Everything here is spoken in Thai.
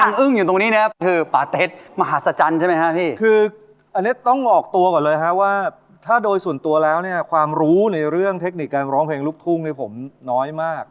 อันนี้ต้องออกตัวก่อนเลยครับว่าถ้าโดยส่วนตัวแล้วเนี่ยความรู้ในเรื่องเทคนิคการร้องเพลงลุกทุ่งในผมน้อยมาก